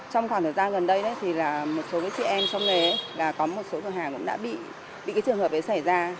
trong khoảng thời gian gần đây một số chị em trong đấy có một số cửa hàng cũng đã bị trường hợp ấy xảy ra